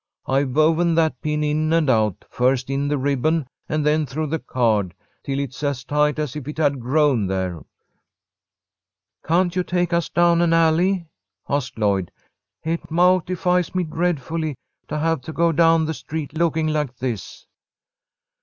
"I've woven that pin in and out, first in the ribbon and then through the card, till it's as tight as if it had grown there." "Can't you take us down an alley?" asked Lloyd. "It mawtifies me dreadfully to have to go down the street looking like this."